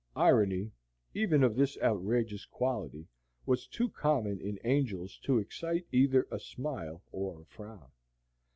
Irony, even of this outrageous quality, was too common in Angel's to excite either a smile or a frown.